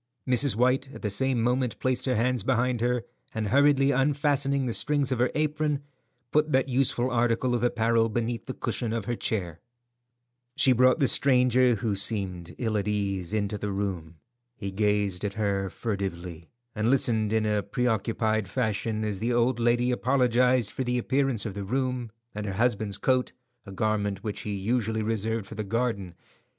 Mrs. White at the same moment placed her hands behind her, and hurriedly unfastening the strings of her apron, put that useful article of apparel beneath the cushion of her chair. She brought the stranger, who seemed ill at ease, into the room. He gazed at her furtively, and listened in a preoccupied fashion as the old lady apologized for the appearance of the room, and her husband's coat, a garment which he usually reserved for the garden.